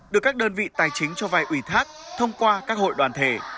được các đơn vị tài chính cho vai ủy thác thông qua các hội đoàn thể